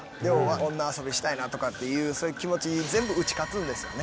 女遊びしたいなとかっていうそういう気持ちに全部打ち勝つんですよね。